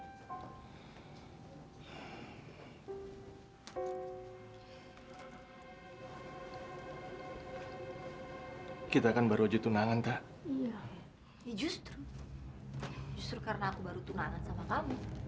ayo kita akan baru aja tunangan tak justru justru karena aku baru tunangan sama kamu